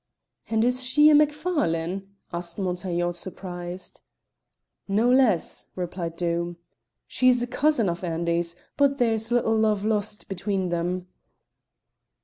"And is she a Macfarlane?" asked Montaiglon, surprised. "No less," replied Doom. "She's a cousin of Andy's; but there's little love lost between them."